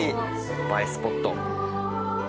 映えスポット。